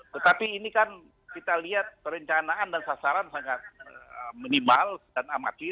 tetapi ini kan kita lihat perencanaan dan sasaran seperti ini